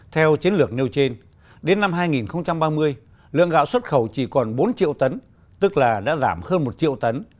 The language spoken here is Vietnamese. theo chiến lược nêu trên đến năm hai nghìn ba mươi lượng gạo xuất khẩu chỉ còn bốn triệu tấn tức là đã giảm hơn một triệu tấn